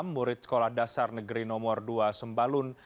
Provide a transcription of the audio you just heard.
murid sekolah dasar negeri nomor dua sembalun